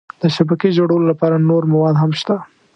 د شبکې جوړولو لپاره نور مواد هم شته.